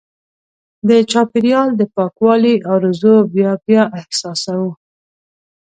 د چاپېریال د پاکوالي ارزو بیا بیا احساسوو.